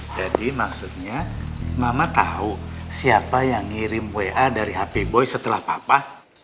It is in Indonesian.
jadi maksudnya mama tau siapa yang ngirim wa dari hp boy setelah papa